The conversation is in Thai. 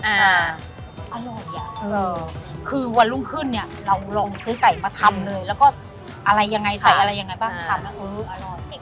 อ่าอร่อยอ่ะเออคือวันรุ่งขึ้นเนี่ยเราลองซื้อไก่มาทำเลยแล้วก็อะไรยังไงใส่อะไรยังไงบ้างทำแล้วเอออร่อย